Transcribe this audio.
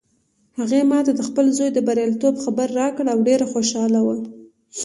هغې ما ته د خپل زوی د بریالیتوب خبر راکړ او ډېره خوشحاله وه